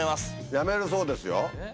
やめるそうですよ。